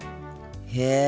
へえ。